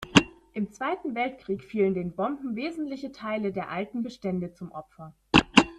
Im Zweiten Weltkrieg fielen den Bomben wesentliche Teile der alten Bestände zum Opfer.